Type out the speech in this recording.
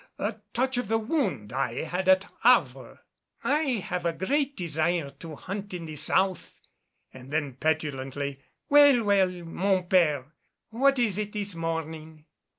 A touch of the wound I had at Havre." "I have a great desire to hunt in the South." And then petulantly, "Well, well, mon père, what is it this morning?"